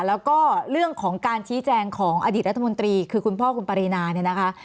แล้วก็เรื่องของการชี้แจงของอดีตรัฐมนตรีคือคุณพ่อคุณปรินาเนี่ยนะคะ